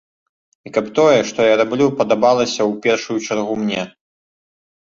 І каб тое, што я раблю, падабалася ў першую чаргу мне.